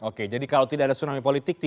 oke jadi kalau tidak ada tsunami politik